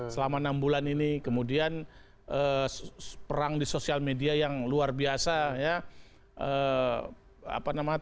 selama enam bulan ini kemudian perang di sosial media yang luar biasa ya